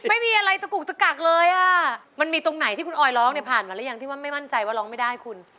อะไรไม่เสียอยู่ก็มันจะเก่านั่น